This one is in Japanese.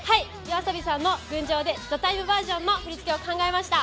ＹＯＡＳＯＢＩさんの「群青」で「ＴＨＥＴＩＭＥ，」の振り付けを考えました。